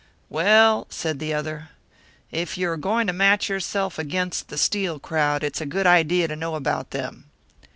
"Well," said the other, "if you are going to match yourself against the Steel crowd, it's a good idea to know about them.